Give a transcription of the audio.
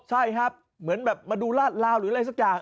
ใช่ครับเหมือนแบบมาดูลาดลาวหรืออะไรสักอย่าง